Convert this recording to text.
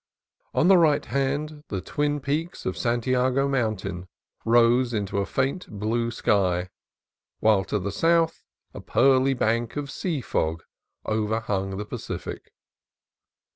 On the right hand the twin peaks of Santiago Mountain rose into a faint blue sky, while to the south a pearly bank of sea fog over hung the Pacific.